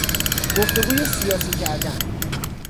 گفتگوی سیاسی کردن